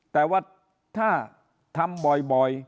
แต่ว่าถ้าทำบ่อย